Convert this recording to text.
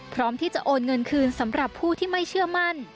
พร้อมที่จะโอนเงินคืนสำหรับผู้ที่ไม่เชื่อมั่น